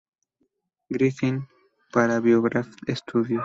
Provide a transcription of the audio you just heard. Griffith para Biograph Studios.